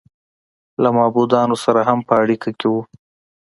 له معبودانو سره هم په اړیکه کې و